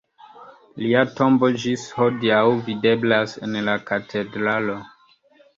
Lia tombo ĝis hodiaŭ videblas en la katedralo.